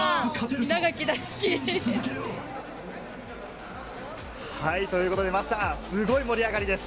稲垣、大好き。ということで桝さん、すごい盛り上がりです。